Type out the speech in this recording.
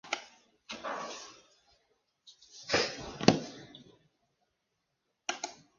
Algunas de sus imágenes aparecieron en el libro recopilatorio "Skate!